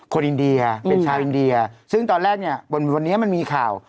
อินเดียเป็นชาวอินเดียซึ่งตอนแรกเนี่ยวันนี้มันมีข่าว